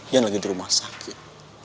yang lagi di rumah sakit